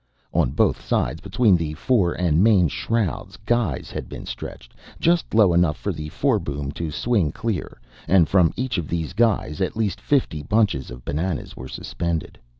On both sides, between the fore and main shrouds, guys had been stretched, just low enough for the foreboom to swing clear; and from each of these guys at least fifty bunches of bananas were suspended.